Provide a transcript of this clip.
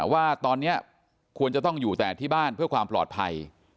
ว่าตอนนี้ควรจะต้องอยู่แต่ที่บ้านเพื่อความปลอดภัย